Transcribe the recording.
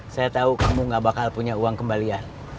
saya tahu kamu gak bakal punya uang kembalian